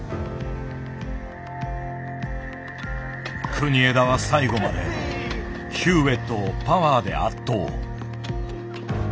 国枝は最後までヒューウェットをパワーで圧倒。